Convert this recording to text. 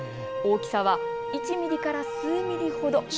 大きさは１ミリから数ミリほど。